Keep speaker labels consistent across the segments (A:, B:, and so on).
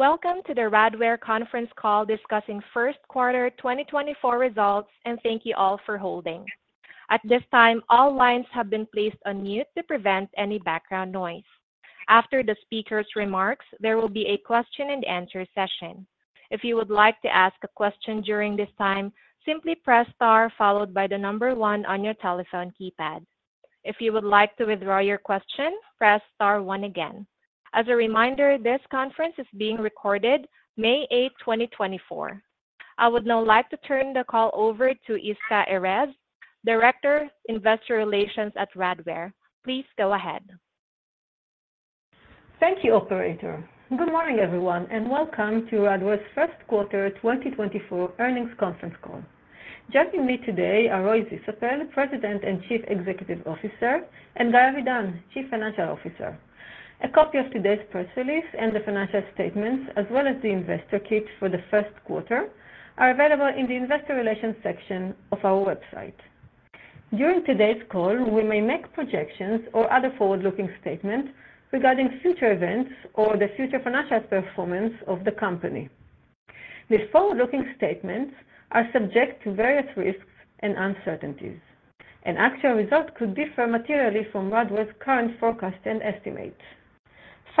A: Welcome to the Radware conference call discussing Q1 2024 results, and thank you all for holding. At this time, all lines have been placed on mute to prevent any background noise. After the speaker's remarks, there will be a question-and-answer session. If you would like to ask a question during this time, simply press * followed by the number 1 on your telephone keypad. If you would like to withdraw your question, press * 1 again. As a reminder, this conference is being recorded, May 8, 2024. I would now like to turn the call over to Yisca Erez, Director, Investor Relations at Radware. Please go ahead.
B: Thank you, Operator. Good morning, everyone, and welcome to Radware's Q1 2024 earnings conference call. Joining me today are Roy Zisapel, President and Chief Executive Officer, and Guy Avidan, Chief Financial Officer. A copy of today's press release and the financial statements, as well as the investor kit for the Q1, are available in the Investor Relations section of our website. During today's call, we may make projections or other forward-looking statements regarding future events or the future financial performance of the company. These forward-looking statements are subject to various risks and uncertainties. An actual result could differ materially from Radware's current forecast and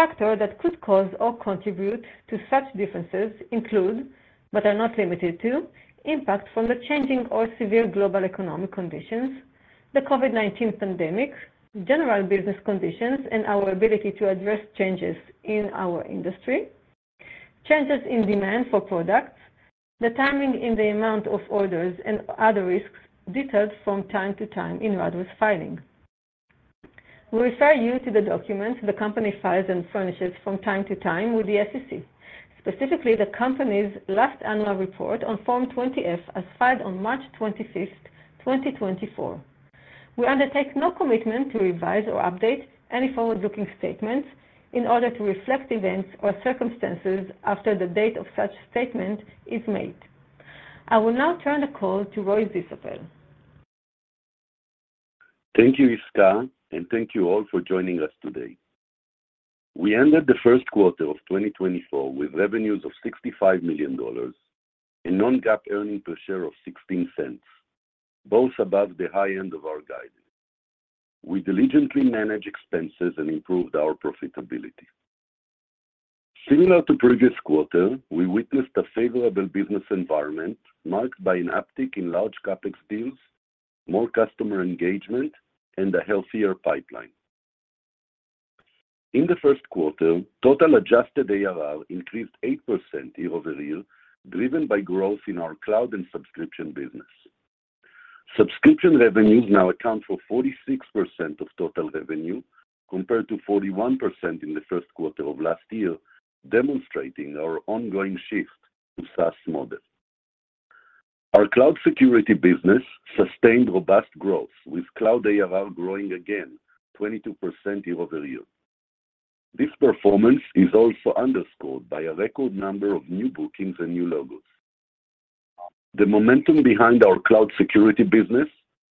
B: estimate. Factors that could cause or contribute to such differences include, but are not limited to, impact from the changing or severe global economic conditions, the COVID-19 pandemic, general business conditions, and our ability to address changes in our industry, changes in demand for products, the timing in the amount of orders, and other risks disclosed from time to time in Radware's filing. We refer you to the documents the company files and furnishes from time to time with the SEC, specifically the company's last annual report on Form 20-F as filed on March 25, 2024. We undertake no commitment to revise or update any forward-looking statements in order to reflect events or circumstances after the date of such statement is made. I will now turn the call to Roy Zisapel.
C: Thank you, Yisca, and thank you all for joining us today. We ended the Q1 of 2024 with revenues of $65 million and non-GAAP earnings per share of $0.16, both above the high end of our guidance. We diligently managed expenses and improved our profitability. Similar to previous quarter, we witnessed a favorable business environment marked by an uptick in large CapEx deals, more customer engagement, and a healthier pipeline. In the Q1, total adjusted ARR increased 8% year-over-year, driven by growth in our cloud and subscription business. Subscription revenues now account for 46% of total revenue compared to 41% in the Q1 of last year, demonstrating our ongoing shift to SaaS model. Our cloud security business sustained robust growth, with cloud ARR growing again, 22% year-over-year. This performance is also underscored by a record number of new bookings and new logos. The momentum behind our cloud security business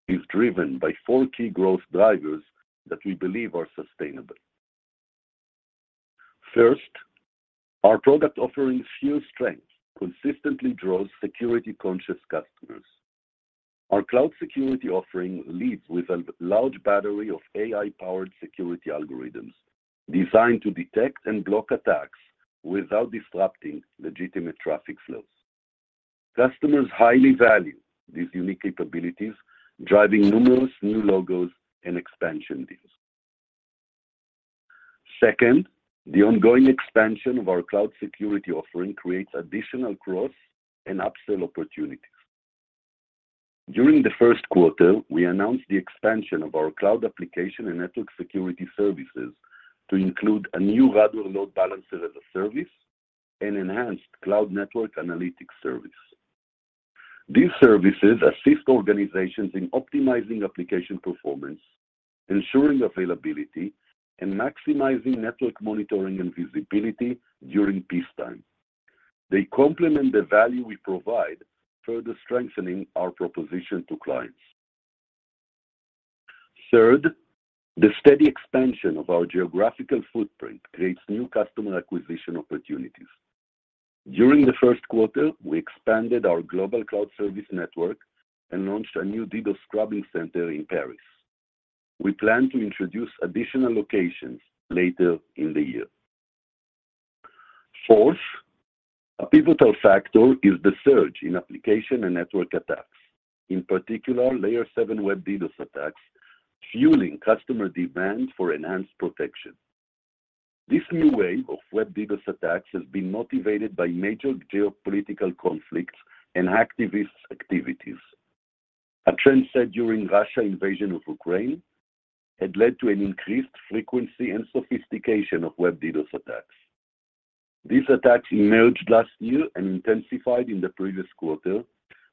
C: is driven by four key growth drivers that we believe are sustainable. First, our product offering's full strength consistently draws security-conscious customers. Our cloud security offering leads with a large battery of AI-powered security algorithms designed to detect and block attacks without disrupting legitimate traffic flows. Customers highly value these unique capabilities, driving numerous new logos and expansion deals. Second, the ongoing expansion of our cloud security offering creates additional growth and upsell opportunities. During the Q1, we announced the expansion of our cloud application and network security services to include a new Radware Load Balancer as a Service and enhanced Cloud Network Analytics Service. These services assist organizations in optimizing application performance, ensuring availability, and maximizing network monitoring and visibility during peace time. They complement the value we provide, further strengthening our proposition to clients. Third, the steady expansion of our geographical footprint creates new customer acquisition opportunities. During the Q1, we expanded our global cloud service network and launched a new DDoS scrubbing center in Paris. We plan to introduce additional locations later in the year. Fourth, a pivotal factor is the surge in application and network attacks, in particular Layer 7 web DDoS attacks, fueling customer demand for enhanced protection. This new wave of web DDoS attacks has been motivated by major geopolitical conflicts and hacktivists' activities. A trend set during Russia's invasion of Ukraine had led to an increased frequency and sophistication of web DDoS attacks. These attacks emerged last year and intensified in the previous quarter,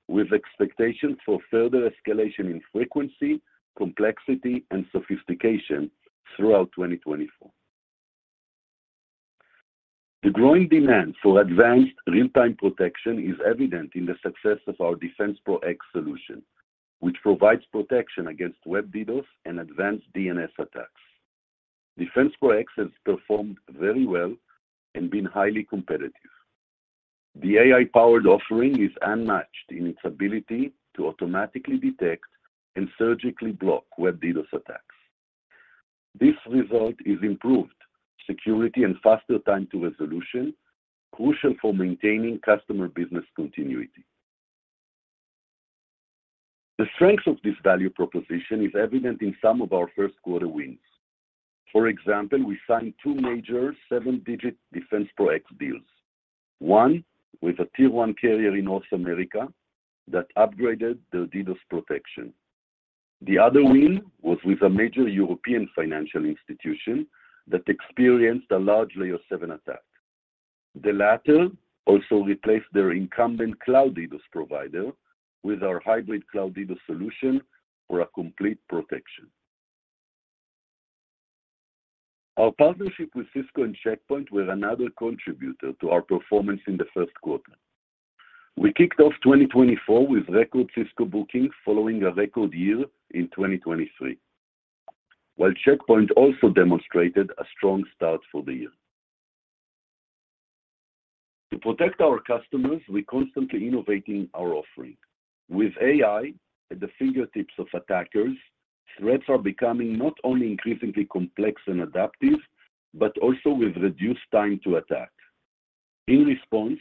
C: with expectations for further escalation in frequency, complexity, and sophistication throughout 2024. The growing demand for advanced real-time protection is evident in the success of our DefensePro X solution, which provides protection against Web DDoS and advanced DNS attacks. DefensePro X has performed very well and been highly competitive. The AI-powered offering is unmatched in its ability to automatically detect and surgically block Web DDoS attacks. This result is improved security and faster time to resolution, crucial for maintaining customer business continuity. The strength of this value proposition is evident in some of our Q1 wins. For example, we signed two major seven-digit DefensePro X deals, one with a Tier 1 carrier in North America that upgraded their DDoS protection. The other win was with a major European financial institution that experienced a large Layer 7 attack. The latter also replaced their incumbent cloud DDoS provider with our hybrid cloud DDoS solution for complete protection. Our partnership with Cisco and Check Point was another contributor to our performance in the Q1. We kicked off 2024 with record Cisco bookings following a record year in 2023, while Check Point also demonstrated a strong start for the year. To protect our customers, we're constantly innovating our offering. With AI at the fingertips of attackers, threats are becoming not only increasingly complex and adaptive but also with reduced time to attack. In response,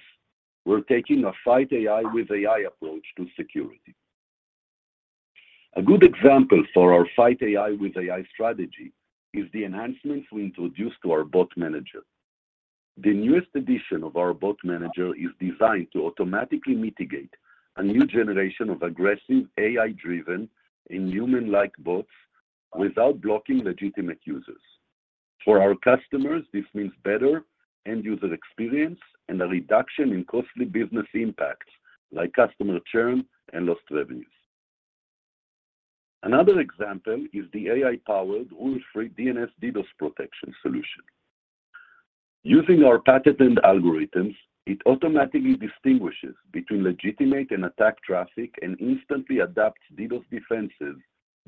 C: we're taking a Fight AI with AI approach to security. A good example for our Fight AI with AI strategy is the enhancements we introduced to our Bot Manager. The newest edition of our Bot Manager is designed to automatically mitigate a new generation of aggressive, AI-driven, and human-like bots without blocking legitimate users. For our customers, this means better end-user experience and a reduction in costly business impacts like customer churn and lost revenues. Another example is the AI-powered Rule-Free DNS DDoS Protection solution. Using our patented algorithms, it automatically distinguishes between legitimate and attack traffic and instantly adapts DDoS defenses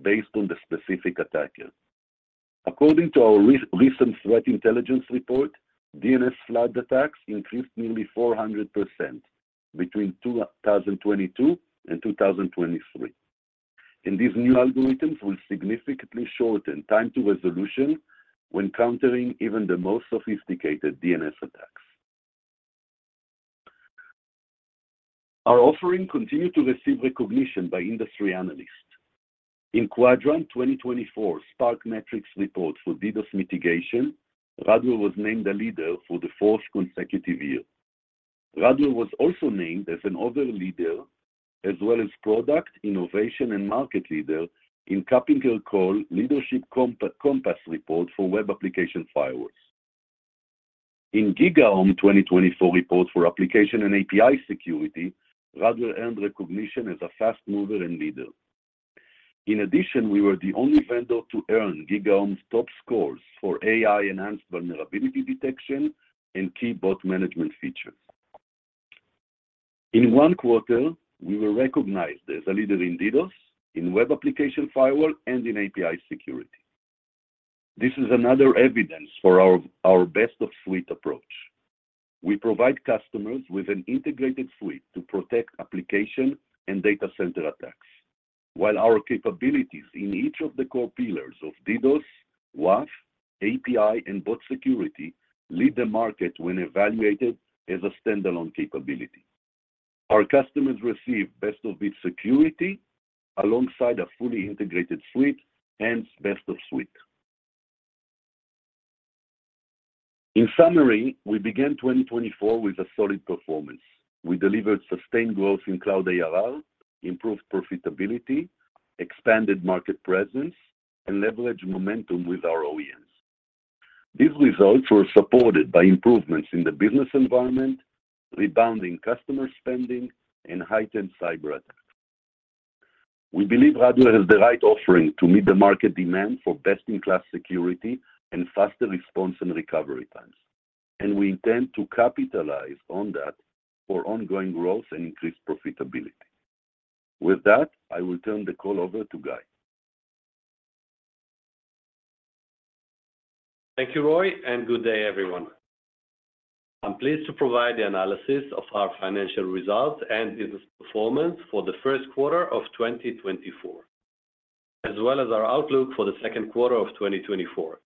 C: based on the specific attacker. According to our recent threat intelligence report, DNS flood attacks increased nearly 400% between 2022 and 2023. And these new algorithms will significantly shorten time to resolution when countering even the most sophisticated DNS attacks. Our offering continues to receive recognition by industry analysts. In Quadrant 2024's SPARK Matrix report for DDoS mitigation, Radware was named a leader for the fourth consecutive year. Radware was also named as an Other Leader, as well as Product, Innovation, and Market Leader in KuppingerCole's Leadership Compass report for web application firewalls. In GigaOm's 2024 report for application and API security, Radware earned recognition as a fast mover and leader. In addition, we were the only vendor to earn GigaOm's top scores for AI-enhanced vulnerability detection and key bot management features. In one quarter, we were recognized as a leader in DDoS, in web application firewall, and in API security. This is another evidence for our best-of-suite approach. We provide customers with an integrated suite to protect application and data center attacks, while our capabilities in each of the core pillars of DDoS, WAF, API, and bot security lead the market when evaluated as a standalone capability. Our customers receive best-of-breed security alongside a fully integrated suite, hence best-of-suite. In summary, we began 2024 with a solid performance. We delivered sustained growth in cloud ARR, improved profitability, expanded market presence, and leveraged momentum with our OEMs. These results were supported by improvements in the business environment, rebounding customer spending, and heightened cyberattacks. We believe Radware has the right offering to meet the market demand for best-in-class security and faster response and recovery times, and we intend to capitalize on that for ongoing growth and increased profitability. With that, I will turn the call over to Guy.
D: Thank you, Roy, and good day, everyone. I'm pleased to provide the analysis of our financial results and business performance for the Q1 of 2024, as well as our outlook for the Q2 of 2024.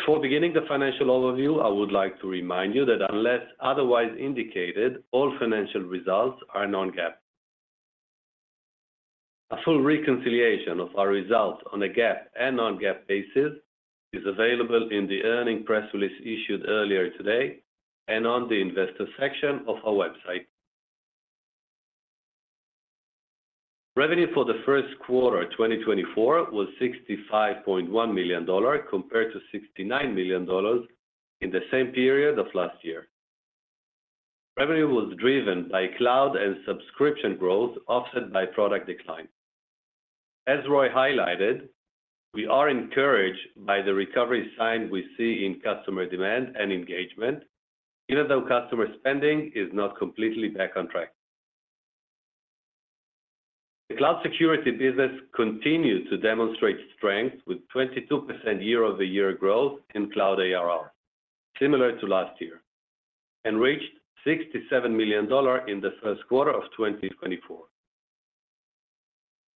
D: Before beginning the financial overview, I would like to remind you that unless otherwise indicated, all financial results are non-GAAP. A full reconciliation of our results on a GAAP and non-GAAP basis is available in the earnings press release issued earlier today and on the investor section of our website. Revenue for the Q1 2024 was $65.1 million compared to $69 million in the same period of last year. Revenue was driven by cloud and subscription growth offset by product decline. As Roy highlighted, we are encouraged by the recovery sign we see in customer demand and engagement, even though customer spending is not completely back on track. The cloud security business continued to demonstrate strength with 22% year-over-year growth in Cloud ARR, similar to last year, and reached $67 million in the Q1 of 2024.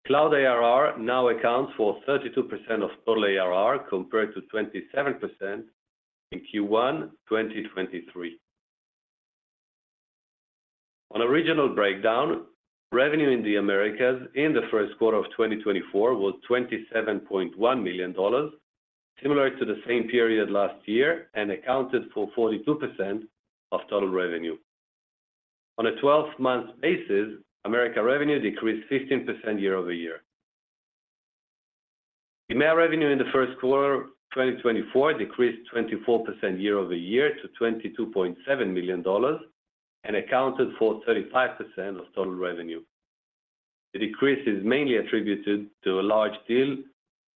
D: Cloud ARR now accounts for 32% of total ARR compared to 27% in Q1 2023. On a regional breakdown, revenue in the Americas in the Q1 of 2024 was $27.1 million, similar to the same period last year, and accounted for 42% of total revenue. On a 12-month basis, Americas revenue decreased 15% year-over-year. EMEA revenue in the Q1 2024 decreased 24% year-over-year to $22.7 million and accounted for 35% of total revenue. The decrease is mainly attributed to a large deal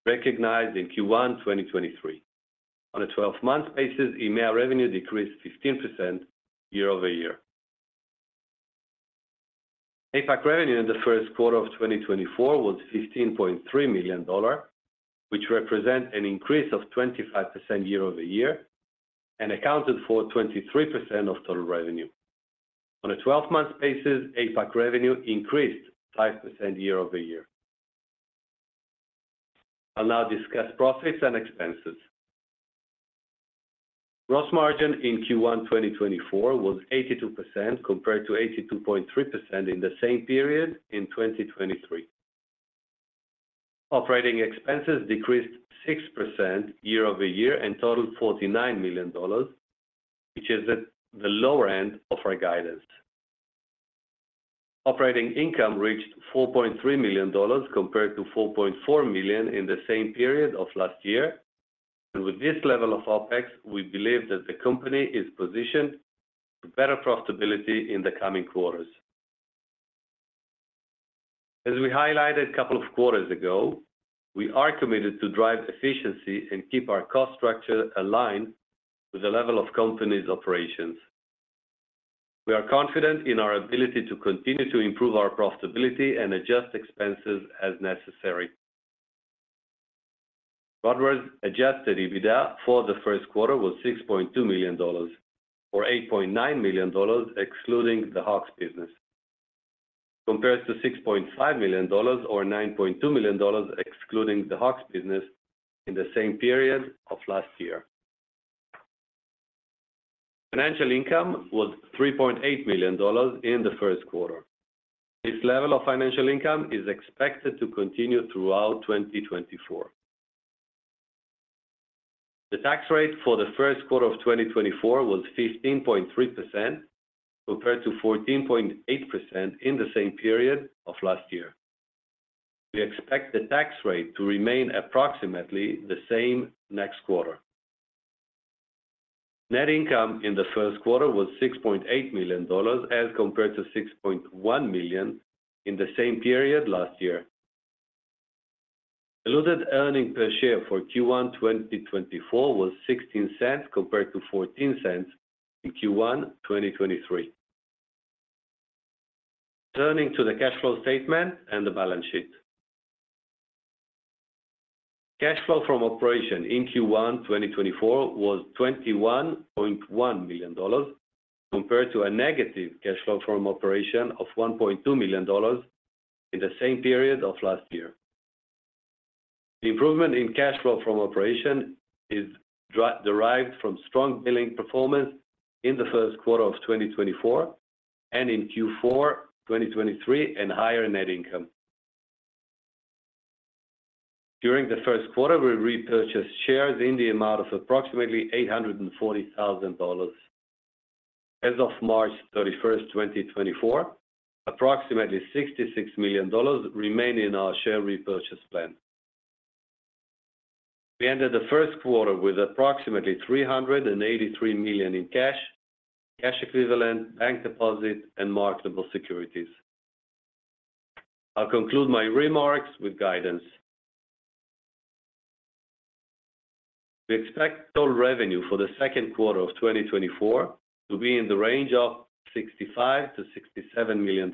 D: recognized in Q1 2023. On a 12-month basis, EMEA revenue decreased 15% year-over-year. APAC revenue in the Q1 of 2024 was $15.3 million, which represents an increase of 25% year-over-year and accounted for 23% of total revenue. On a 12-month basis, APAC revenue increased 5% year-over-year. I'll now discuss profits and expenses. Gross margin in Q1 2024 was 82% compared to 82.3% in the same period in 2023. Operating expenses decreased 6% year-over-year and totaled $49 million, which is at the lower end of our guidance. Operating income reached $4.3 million compared to $4.4 million in the same period of last year, and with this level of OpEx, we believe that the company is positioned to better profitability in the coming quarters. As we highlighted a couple of quarters ago, we are committed to drive efficiency and keep our cost structure aligned with the level of the company's operations. We are confident in our ability to continue to improve our profitability and adjust expenses as necessary. Radware's adjusted EBITDA for the Q1 was $6.2 million or $8.9 million excluding the Hawk business, compared to $6.5 million or $9.2 million excluding the Hawk business in the same period of last year. Financial income was $3.8 million in the Q1. This level of financial income is expected to continue throughout 2024. The tax rate for the Q1 of 2024 was 15.3% compared to 14.8% in the same period of last year. We expect the tax rate to remain approximately the same next quarter. Net income in the Q1 was $6.8 million as compared to $6.1 million in the same period last year. Diluted earnings per share for Q1 2024 was $0.16 compared to $0.14 in Q1 2023. Turning to the cash flow statement and the balance sheet. Cash flow from operations in Q1 2024 was $21.1 million compared to a negative cash flow from operations of $1.2 million in the same period of last year. The improvement in cash flow from operations is derived from strong billing performance in the Q1 of 2024 and in Q4 2023 and higher net income. During the Q1, we repurchased shares in the amount of approximately $840,000. As of March 31, 2024, approximately $66 million remain in our share repurchase plan. We ended the Q1 with approximately $383 million in cash, cash equivalents, bank deposits, and marketable securities. I'll conclude my remarks with guidance. We expect total revenue for the Q2 of 2024 to be in the range of $65-$67 million.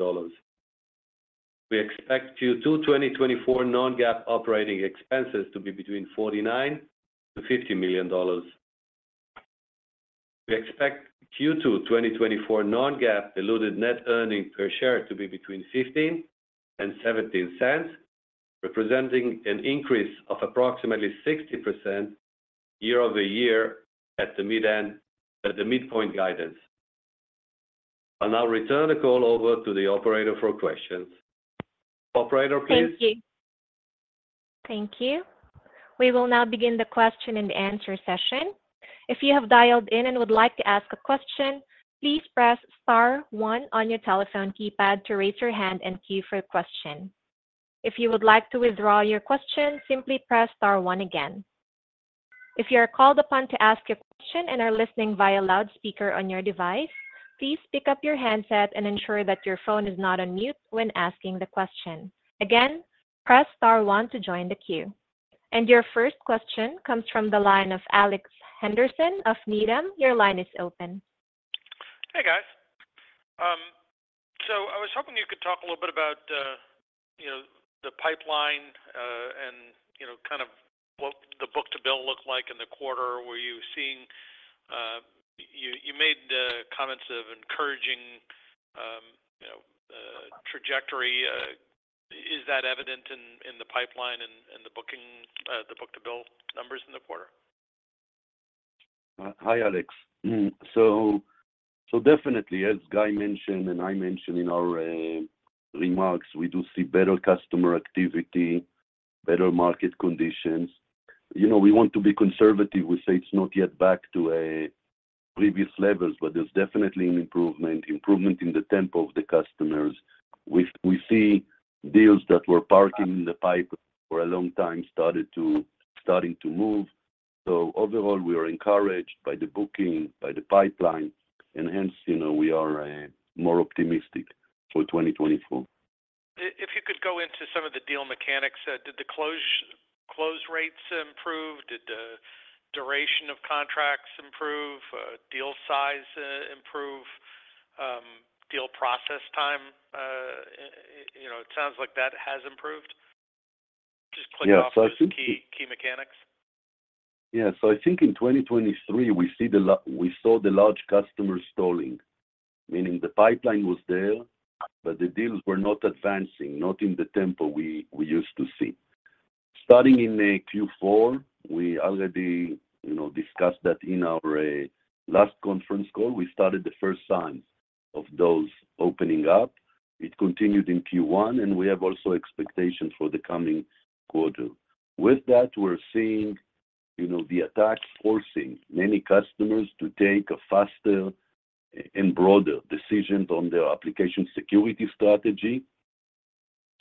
D: We expect Q2 2024 non-GAAP operating expenses to be between $49-$50 million. We expect Q2 2024 non-GAAP diluted net earnings per share to be between $0.15 and $0.17, representing an increase of approximately 60% year-over-year at the midpoint guidance. I'll now return the call over to the operator for questions. Operator, please.
A: Thank you. Thank you. We will now begin the question and answer session. If you have dialed in and would like to ask a question, please press star 1 on your telephone keypad to raise your hand and cue for a question. If you would like to withdraw your question, simply press star 1 again. If you are called upon to ask a question and are listening via loudspeaker on your device, please pick up your handset and ensure that your phone is not on mute when asking the question. Again, press star 1 to join the cue. And your first question comes from the line of Alex Henderson of Needham. Your line is open.
E: Hey, guys. So I was hoping you could talk a little bit about the pipeline and kind of what the book-to-bill looked like in the quarter. Were you seeing? You made comments of encouraging trajectory. Is that evident in the pipeline and the book-to-bill numbers in the quarter?
C: Hi, Alex. So definitely, as Guy mentioned and I mentioned in our remarks, we do see better customer activity, better market conditions. We want to be conservative. We say it's not yet back to previous levels, but there's definitely an improvement, improvement in the tempo of the customers. We see deals that were parking in the pipe for a long time starting to move. So overall, we are encouraged by the booking, by the pipeline, and hence we are more optimistic for 2024.
E: If you could go into some of the deal mechanics. Did the close rates improve? Did the duration of contracts improve? Deal size improve? Deal process time? It sounds like that has improved. Just click off those key mechanics.
C: Yeah. So I think in 2023, we saw the large customer stalling, meaning the pipeline was there, but the deals were not advancing, not in the tempo we used to see. Starting in Q4, we already discussed that in our last conference call. We started the first signs of those opening up. It continued in Q1, and we have also expectations for the coming quarter. With that, we're seeing the attacks forcing many customers to take a faster and broader decision on their application security strategy.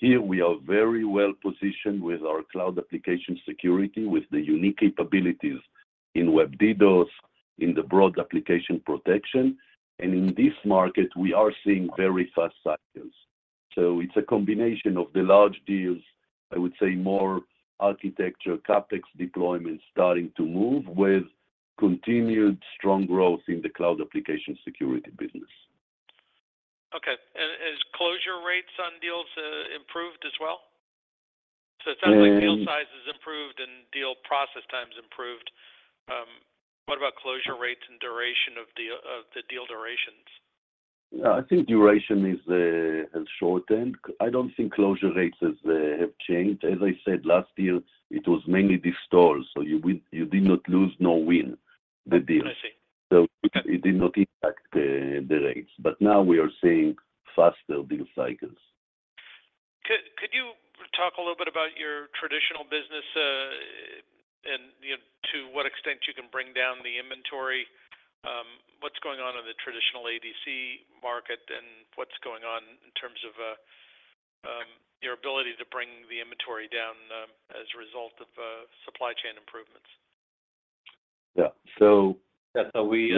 C: Here, we are very well positioned with our cloud application security, with the unique capabilities in Web DDoS, in the broad application protection. And in this market, we are seeing very fast cycles. So it's a combination of the large deals, I would say more architecture, CapEx deployments starting to move with continued strong growth in the cloud application security business.
E: Okay. And has closure rates on deals improved as well? So it sounds like deal size has improved and deal process times improved. What about closure rates and duration of the deal durations?
C: I think duration has shortened. I don't think closure rates have changed. As I said, last year, it was mainly stalled, so you did not lose nor win the deals. So it did not impact the rates. But now we are seeing faster deal cycles.
E: Could you talk a little bit about your traditional business and to what extent you can bring down the inventory? What's going on in the traditional ADC market, and what's going on in terms of your ability to bring the inventory down as a result of supply chain improvements?
C: Yeah. So we.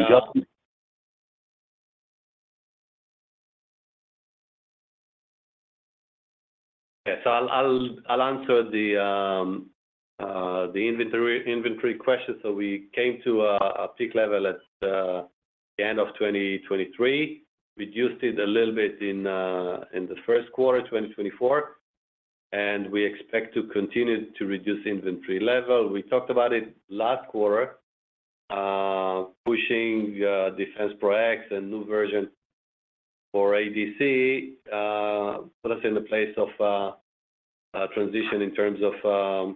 D: Yeah. So I'll answer the inventory question. So we came to a peak level at the end of 2023. Reduced it a little bit in the Q1 2024, and we expect to continue to reduce inventory level. We talked about it last quarter, pushing defense products and new version for ADC put us in the place of transition in terms of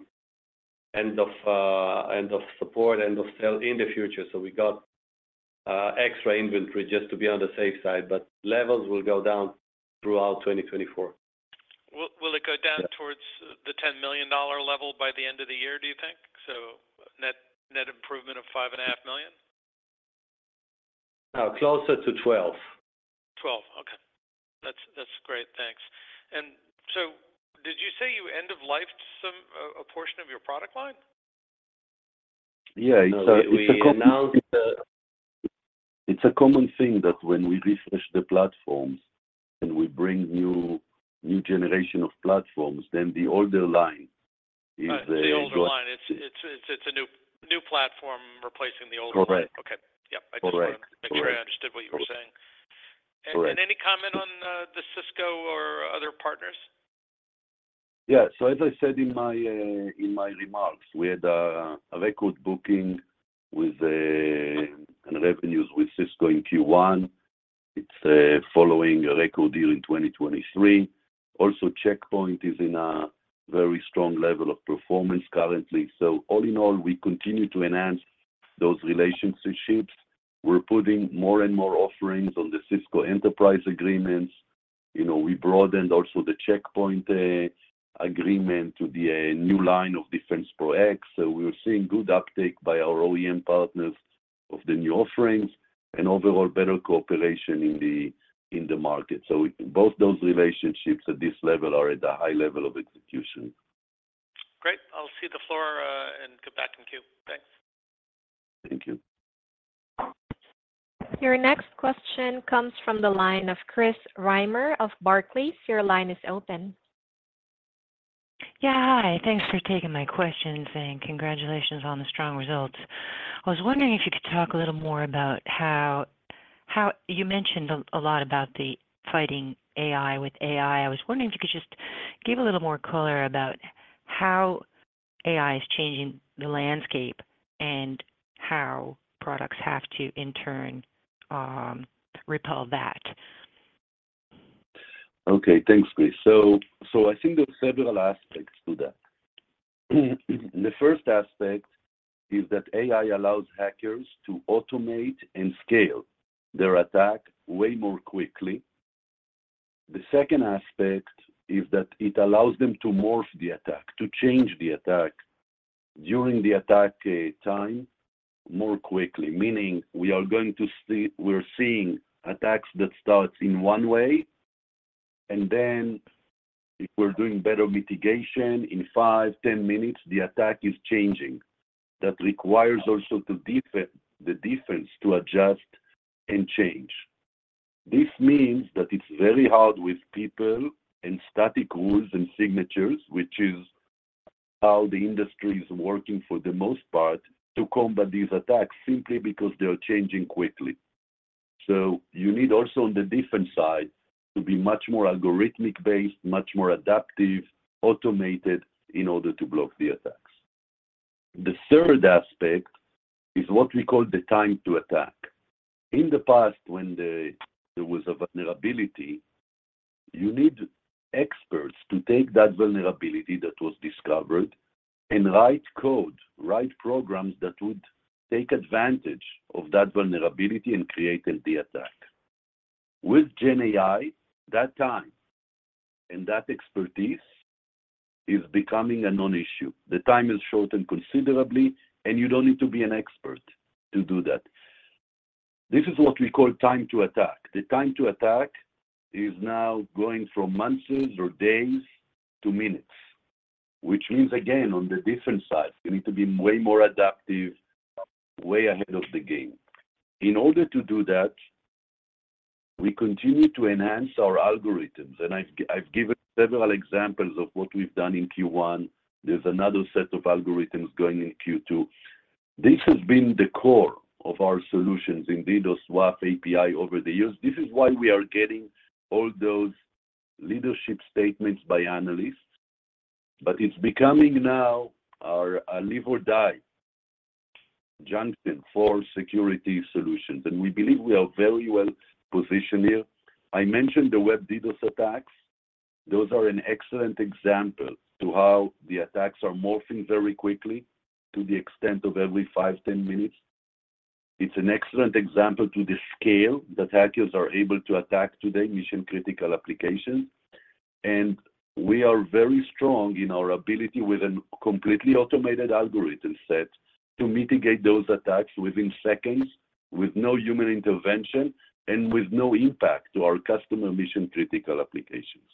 D: end of support, end of sale in the future. So we got extra inventory just to be on the safe side, but levels will go down throughout 2024.
E: Will it go down towards the $10 million level by the end of the year, do you think? So net improvement of $5.5 million?
D: Closer to 12.
E: Okay. That's great. Thanks. And so did you say you end-of-lifed a portion of your product line?
C: Yeah. It's a.
D: So we.
C: Announced it's a common thing that when we refresh the platforms and we bring new generation of platforms, then the older line is usually.
E: Right. The older line. It's a new platform replacing the older line.
C: Correct.
E: Okay. Yep. I just wanted to make sure I understood what you were saying. Any comment on the Cisco or other partners?
C: Yeah. So as I said in my remarks, we had a record booking and revenues with Cisco in Q1. It's following a record deal in 2023. Also, Check Point is in a very strong level of performance currently. So all in all, we continue to enhance those relationships. We're putting more and more offerings on the Cisco enterprise agreements. We broadened also the Check Point agreement to the new line of defense products. So we were seeing good uptake by our OEM partners of the new offerings and overall better cooperation in the market. So both those relationships at this level are at a high level of execution.
E: Great. I'll cede the floor and get back in queue. Thanks.
C: Thank you.
A: Your next question comes from the line of Chris Reimer of Barclays. Your line is open.
F: Yeah. Hi. Thanks for taking my questions and congratulations on the strong results. I was wondering if you could talk a little more about how you mentioned a lot about the fighting AI with AI. I was wondering if you could just give a little more color about how AI is changing the landscape and how products have to, in turn, repel that.
C: Okay. Thanks, Chris. So I think there are several aspects to that. The first aspect is that AI allows hackers to automate and scale their attack way more quickly. The second aspect is that it allows them to morph the attack, to change the attack during the attack time more quickly, meaning we are going to see we're seeing attacks that start in one way, and then if we're doing better mitigation, in five, 10 minutes, the attack is changing. That requires also the defense to adjust and change. This means that it's very hard with people and static rules and signatures, which is how the industry is working for the most part, to combat these attacks simply because they are changing quickly. So you need also on the defense side to be much more algorithmic-based, much more adaptive, automated in order to block the attacks. The third aspect is what we call the time to attack. In the past, when there was a vulnerability, you need experts to take that vulnerability that was discovered and write code, write programs that would take advantage of that vulnerability and create the attack. With GenAI, that time and that expertise is becoming a non-issue. The time is shortened considerably, and you don't need to be an expert to do that. This is what we call time to attack. The time to attack is now going from months or days to minutes, which means, again, on the defense side, you need to be way more adaptive, way ahead of the game. In order to do that, we continue to enhance our algorithms. And I've given several examples of what we've done in Q1. There's another set of algorithms going in Q2. This has been the core of our solutions, indeed, our WAF API over the years. This is why we are getting all those leadership statements by analysts. But it's becoming now a live or die junction for security solutions. And we believe we are very well positioned here. I mentioned the Web DDoS attacks. Those are an excellent example to how the attacks are morphing very quickly to the extent of every five, 10 minutes. It's an excellent example to the extent of the scale that hackers are able to attack today, mission-critical applications. And we are very strong in our ability with a completely automated algorithm set to mitigate those attacks within seconds, with no human intervention, and with no impact to our customer mission-critical applications.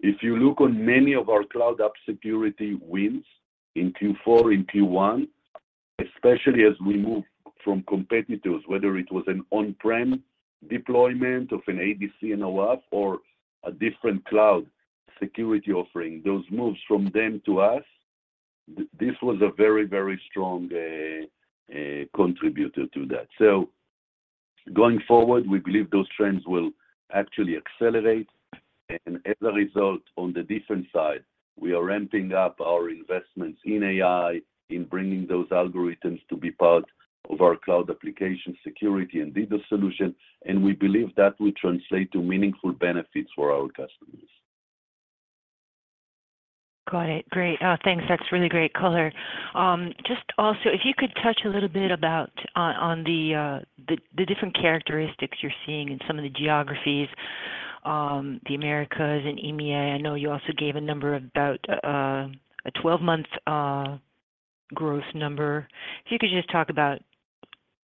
C: If you look on many of our cloud app security wins in Q4, in Q1, especially as we move from competitors, whether it was an on-prem deployment of an ADC and OAuth or a different cloud security offering, those moves from them to us, this was a very, very strong contributor to that. So going forward, we believe those trends will actually accelerate. And as a result, on the defense side, we are ramping up our investments in AI, in bringing those algorithms to be part of our cloud application security and DDoS solution. And we believe that will translate to meaningful benefits for our customers.
F: Got it. Great. Thanks. That's really great color. Just also, if you could touch a little bit on the different characteristics you're seeing in some of the geographies, the Americas and EMEA. I know you also gave a number about a 12-month growth number. If you could just talk about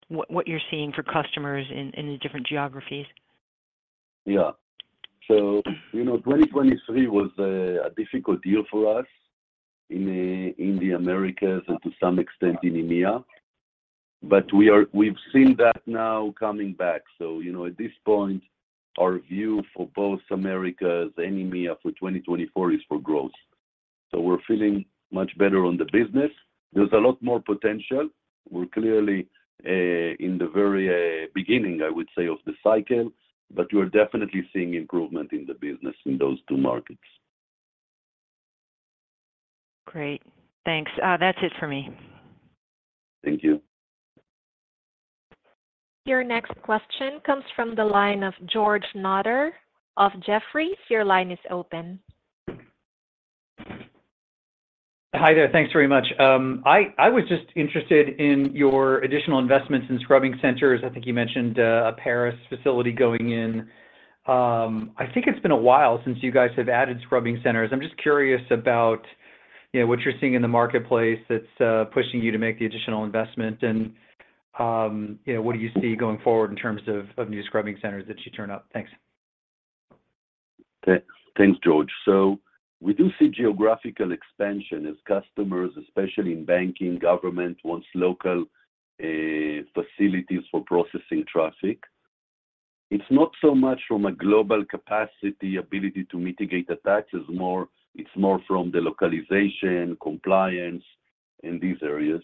F: what you're seeing for customers in the different geographies.
C: Yeah. So 2023 was a difficult year for us in the Americas and to some extent in EMEA. But we've seen that now coming back. So at this point, our view for both Americas and EMEA for 2024 is for growth. So we're feeling much better on the business. There's a lot more potential. We're clearly in the very beginning, I would say, of the cycle, but we are definitely seeing improvement in the business in those two markets.
F: Great. Thanks. That's it for me.
C: Thank you.
A: Your next question comes from the line of George Notter of Jefferies. Your line is open.
G: Hi there. Thanks very much. I was just interested in your additional investments in scrubbing centers. I think you mentioned a Paris facility going in. I think it's been a while since you guys have added scrubbing centers. I'm just curious about what you're seeing in the marketplace that's pushing you to make the additional investment, and what do you see going forward in terms of new scrubbing centers that should turn up? Thanks.
C: Thanks, George. We do see geographical expansion as customers, especially in banking, government, wants local facilities for processing traffic. It's not so much from a global capacity ability to mitigate attacks. It's more from the localization, compliance, and these areas.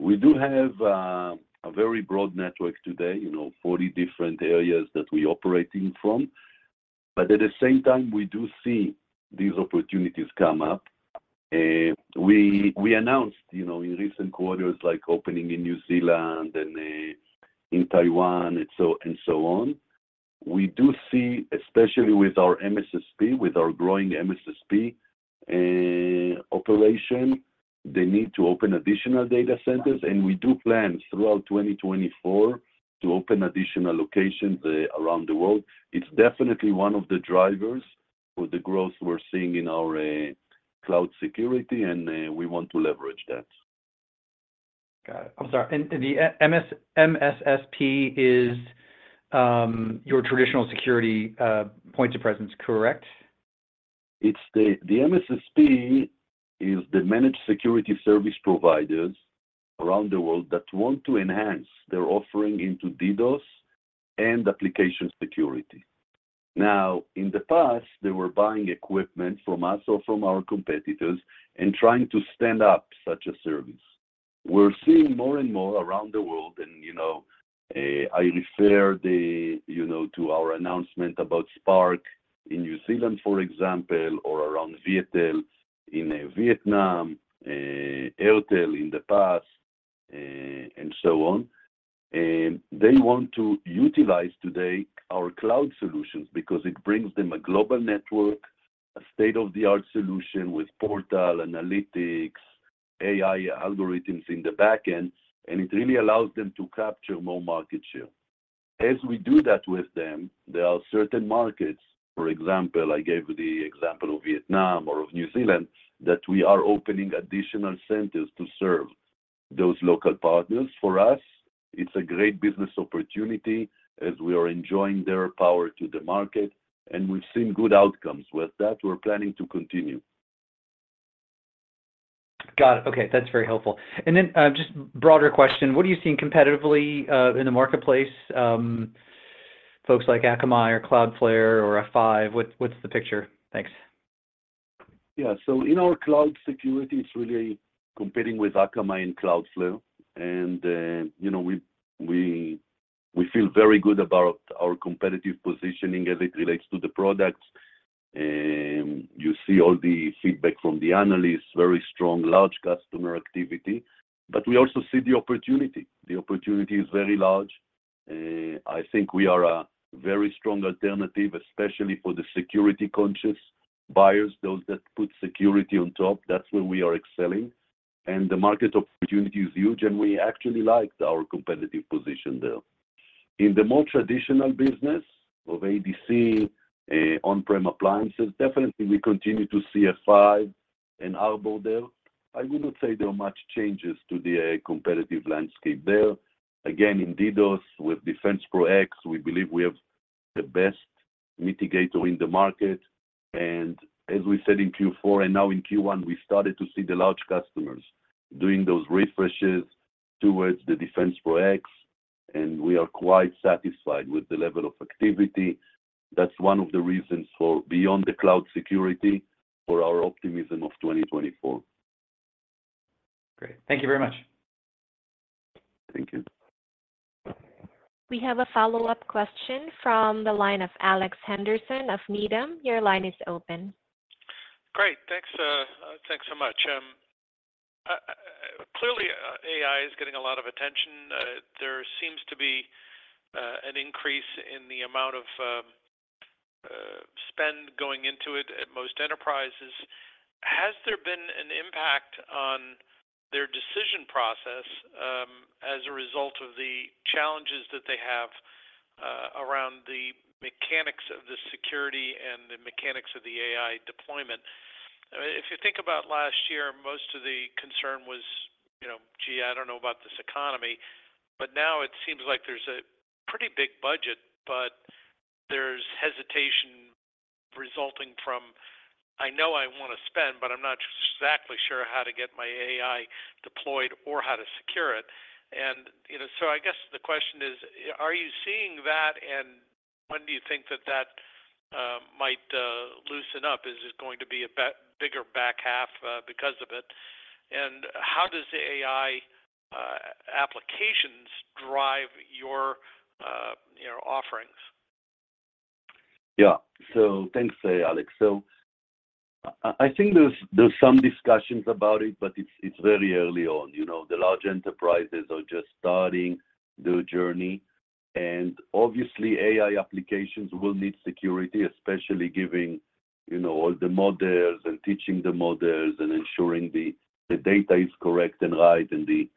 C: We do have a very broad network today, 40 different areas that we operate in from. But at the same time, we do see these opportunities come up. We announced in recent quarters opening in New Zealand and in Taiwan and so on. We do see, especially with our MSSP, with our growing MSSP operation, the need to open additional data centers. We do plan throughout 2024 to open additional locations around the world. It's definitely one of the drivers for the growth we're seeing in our cloud security, and we want to leverage that.
G: Got it. I'm sorry. And the MSSP is your traditional security point of presence, correct?
C: The MSSP is the managed security service providers around the world that want to enhance their offering into DDoS and application security. Now, in the past, they were buying equipment from us or from our competitors and trying to stand up such a service. We're seeing more and more around the world. I refer to our announcement about Spark in New Zealand, for example, or around Viettel in Vietnam, Airtel in the past, and so on. They want to utilize today our cloud solutions because it brings them a global network, a state-of-the-art solution with portal, analytics, AI algorithms in the backend, and it really allows them to capture more market share. As we do that with them, there are certain markets for example, I gave the example of Vietnam or of New Zealand that we are opening additional centers to serve those local partners. For us, it's a great business opportunity as we are enjoying their power to the market, and we've seen good outcomes with that. We're planning to continue.
G: Got it. Okay. That's very helpful. And then just broader question, what are you seeing competitively in the marketplace? Folks like Akamai or Cloudflare or F5, what's the picture? Thanks.
C: Yeah. So in our cloud security, it's really competing with Akamai and Cloudflare. And we feel very good about our competitive positioning as it relates to the products. You see all the feedback from the analysts, very strong, large customer activity. But we also see the opportunity. The opportunity is very large. I think we are a very strong alternative, especially for the security-conscious buyers, those that put security on top. That's where we are excelling. And the market opportunity is huge, and we actually like our competitive position there. In the more traditional business of ADC, on-prem appliances, definitely, we continue to see F5 and Arbor there. I would not say there are much changes to the competitive landscape there. Again, in DDoS, with DefensePro X, we believe we have the best mitigator in the market. As we said in Q4 and now in Q1, we started to see the large customers doing those refreshes towards the DefensePro X, and we are quite satisfied with the level of activity. That's one of the reasons for beyond the cloud security for our optimism of 2024.
G: Great. Thank you very much.
C: Thank you.
A: We have a follow-up question from the line of Alex Henderson of Needham. Your line is open.
E: Great. Thanks so much. Clearly, AI is getting a lot of attention. There seems to be an increase in the amount of spend going into it at most enterprises. Has there been an impact on their decision process as a result of the challenges that they have around the mechanics of the security and the mechanics of the AI deployment? I mean, if you think about last year, most of the concern was, "Gee, I don't know about this economy." But now it seems like there's a pretty big budget, but there's hesitation resulting from, "I know I want to spend, but I'm not exactly sure how to get my AI deployed or how to secure it." And so I guess the question is, are you seeing that, and when do you think that that might loosen up? Is it going to be a bigger back half because of it? How does the AI applications drive your offerings?
C: Yeah. So thanks, Alex. So I think there's some discussions about it, but it's very early on. The large enterprises are just starting their journey. And obviously, AI applications will need security, especially giving all the models and teaching the models and ensuring the data is correct and right and the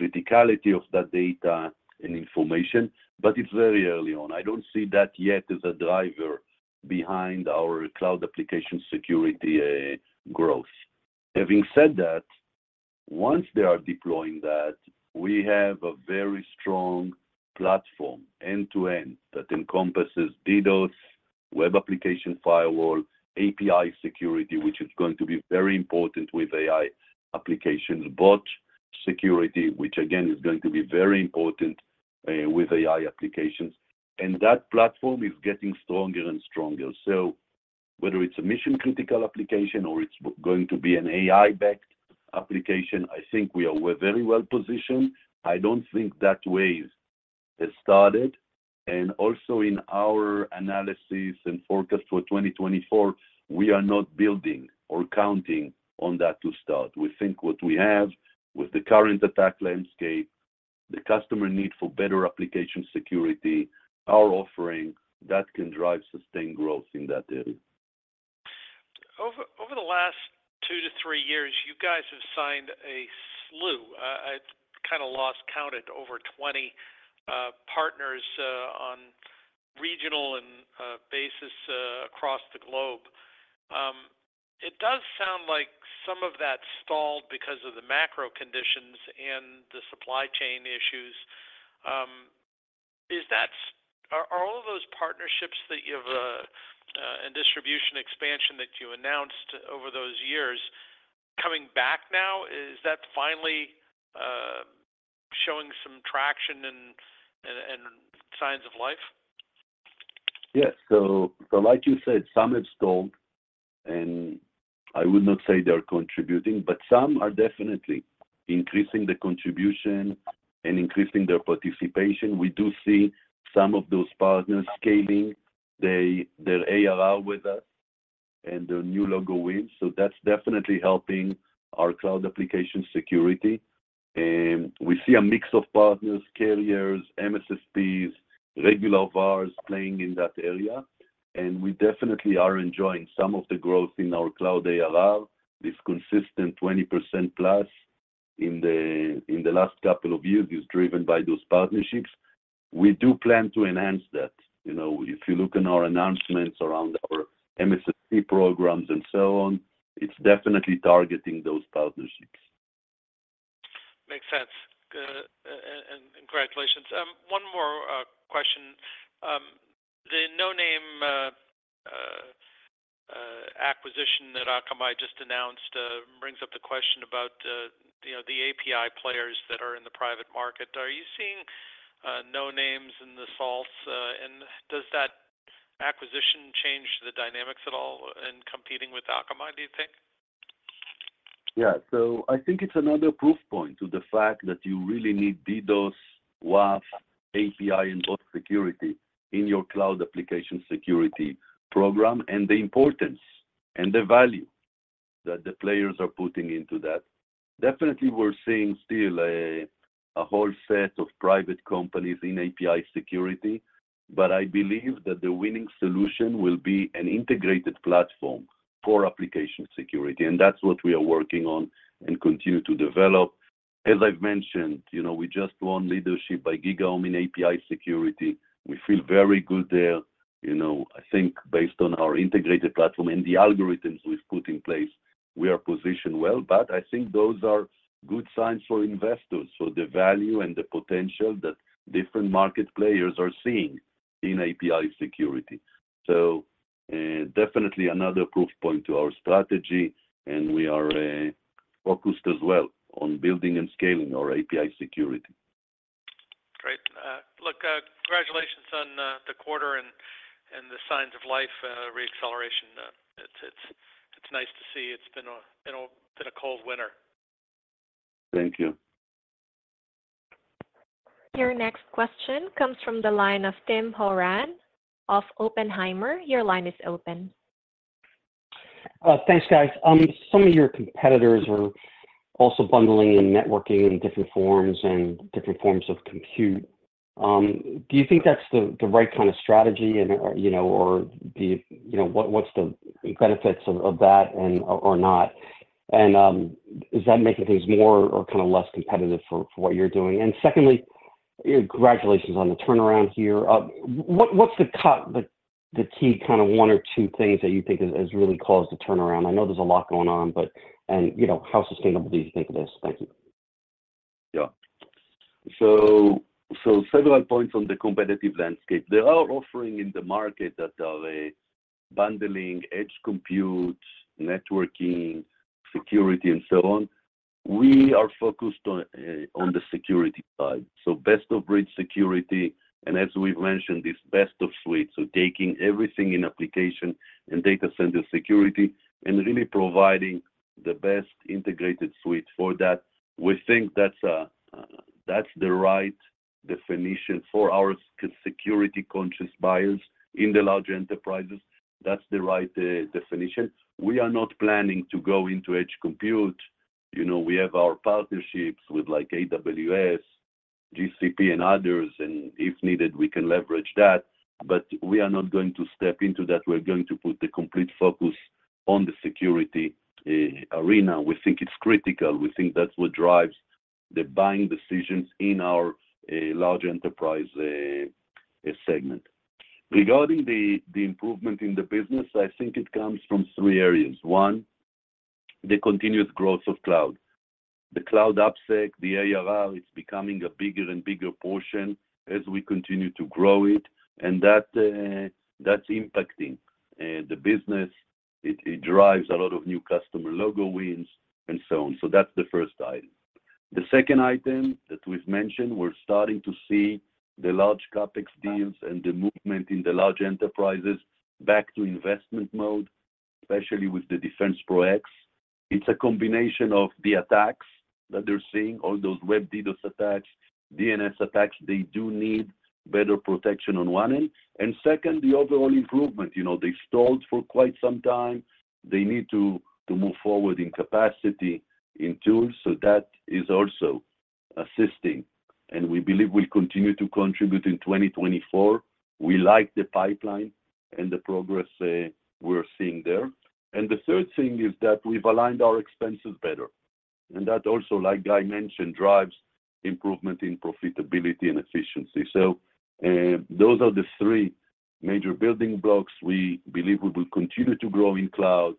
C: criticality of that data and information. But it's very early on. I don't see that yet as a driver behind our cloud application security growth. Having said that, once they are deploying that, we have a very strong platform end-to-end that encompasses DDoS, web application firewall, API security, which is going to be very important with AI applications, bot security, which again is going to be very important with AI applications. And that platform is getting stronger and stronger. Whether it's a mission-critical application or it's going to be an AI-backed application, I think we are very well positioned. I don't think that wave has started. Also in our analysis and forecast for 2024, we are not building or counting on that to start. We think what we have with the current attack landscape, the customer need for better application security, our offering, that can drive sustained growth in that area.
E: Over the last two to three years, you guys have signed a slew. I kind of lost count at over 20 partners on regional basis across the globe. It does sound like some of that stalled because of the macro conditions and the supply chain issues. Are all of those partnerships and distribution expansion that you announced over those years coming back now? Is that finally showing some traction and signs of life?
C: Yes. So like you said, some have stalled, and I would not say they are contributing, but some are definitely increasing the contribution and increasing their participation. We do see some of those partners scaling their ARR with us and their new logo wins. So that's definitely helping our cloud application security. We see a mix of partners, carriers, MSSPs, regular VARs playing in that area. And we definitely are enjoying some of the growth in our cloud ARR. This consistent 20%+ in the last couple of years is driven by those partnerships. We do plan to enhance that. If you look in our announcements around our MSSP programs and so on, it's definitely targeting those partnerships.
E: Makes sense. Congratulations. One more question. The Noname acquisition that Akamai just announced brings up the question about the API players that are in the private market. Are you seeing Nonames in the Salt? And does that acquisition change the dynamics at all in competing with Akamai, do you think?
C: Yeah. So I think it's another proof point to the fact that you really need DDoS, WAF, API, and bot security in your cloud application security program and the importance and the value that the players are putting into that. Definitely, we're seeing still a whole set of private companies in API security, but I believe that the winning solution will be an integrated platform for application security. And that's what we are working on and continue to develop. As I've mentioned, we just won leadership by GigaOm in API security. We feel very good there. I think based on our integrated platform and the algorithms we've put in place, we are positioned well. But I think those are good signs for investors, for the value and the potential that different market players are seeing in API security. Definitely another proof point to our strategy, and we are focused as well on building and scaling our API security.
E: Great. Look, congratulations on the quarter and the signs of life reacceleration. It's nice to see. It's been a cold winter.
C: Thank you.
A: Your next question comes from the line of Tim Horan of Oppenheimer. Your line is open.
H: Thanks, guys. Some of your competitors are also bundling in networking in different forms and different forms of compute. Do you think that's the right kind of strategy, or what's the benefits of that or not? And is that making things more or kind of less competitive for what you're doing? And secondly, congratulations on the turnaround here. What's the key kind of one or two things that you think has really caused the turnaround? I know there's a lot going on, but how sustainable do you think it is? Thank you.
C: Yeah. So several points on the competitive landscape. There are offerings in the market that are bundling edge compute, networking, security, and so on. We are focused on the security side. So best-of-breed security, and as we've mentioned, this best-of-suite, so taking everything in application and data center security and really providing the best integrated suite for that. We think that's the right definition for our security-conscious buyers in the large enterprises. That's the right definition. We are not planning to go into edge compute. We have our partnerships with AWS, GCP, and others, and if needed, we can leverage that. But we are not going to step into that. We're going to put the complete focus on the security arena. We think it's critical. We think that's what drives the buying decisions in our large enterprise segment. Regarding the improvement in the business, I think it comes from three areas. One, the continuous growth of cloud. The Cloud App Sec, the ARR, it's becoming a bigger and bigger portion as we continue to grow it. And that's impacting the business. It drives a lot of new customer logo wins and so on. So that's the first item. The second item that we've mentioned, we're starting to see the large CapEx deals and the movement in the large enterprises back to investment mode, especially with the DefensePro X. It's a combination of the attacks that they're seeing, all those Web DDoS attacks, DNS attacks. They do need better protection on one end. And second, the overall improvement. They stalled for quite some time. They need to move forward in capacity, in tools. So that is also assisting. And we believe we'll continue to contribute in 2024. We like the pipeline and the progress we're seeing there. The third thing is that we've aligned our expenses better. That also, like Guy mentioned, drives improvement in profitability and efficiency. Those are the three major building blocks. We believe we will continue to grow in cloud.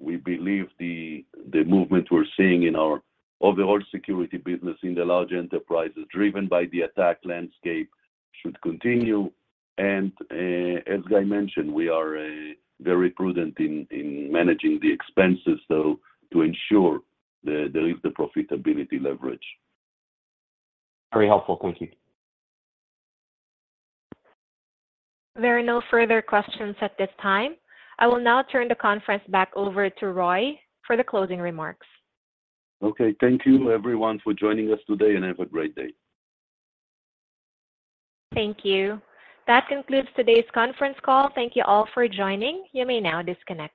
C: We believe the movement we're seeing in our overall security business in the large enterprises driven by the attack landscape should continue. As Guy mentioned, we are very prudent in managing the expenses to ensure there is the profitability leverage.
H: Very helpful. Thank you.
A: There are no further questions at this time. I will now turn the conference back over to Roy for the closing remarks.
C: Okay. Thank you, everyone, for joining us today, and have a great day.
A: Thank you. That concludes today's conference call. Thank you all for joining. You may now disconnect.